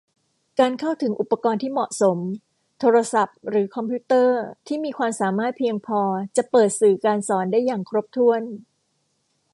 การเข้าถึงอุปกรณ์ที่เหมาะสม โทรศัพท์หรือคอมพิวเตอร์ที่มีความสามารถเพียงพอจะเปิดสื่อการสอนได้อย่างครบถ้วน